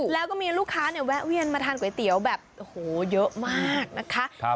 แล้วก็มีลูกค้าเนี่ยแวะเวียนมาทานก๋วยเตี๋ยวแบบโอ้โหเยอะมากนะคะ